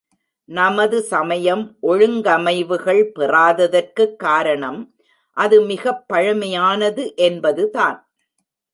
நமது சமயம் ஒழுங்கமைவுகள் பெறாததற்குக் காரணம் அது மிகப் பழமையானது என்பது தான்.